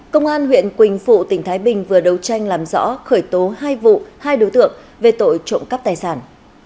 công an huyện quỳnh phụ tỉnh thái bình vừa đấu tranh làm rõ khởi tố hai vụ hai đối tượng về tội trộm cắp tài sản